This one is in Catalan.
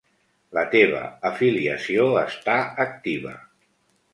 La teva afiliació està activa.